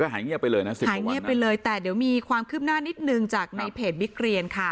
หายเงียบไปเลยแต่เดี๋ยวมีความคืบหน้านิดหนึ่งจากในเพจบิ๊กเรียนค่ะ